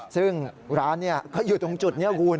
ซึ่งร้านนี้ก็อยู่ตรงจุดนี้กูล